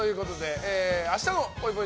明日のぽいぽい